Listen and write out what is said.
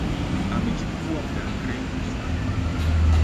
Amechukua muda mrefu sana.